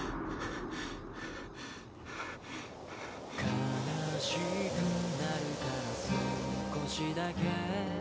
悲しくなるからすこしだけ